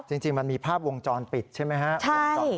จริงมันมีภาพวงจรปิดใช่ไหมครับวงจร